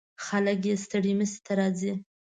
خلک یې ستړي مشي ته راځي.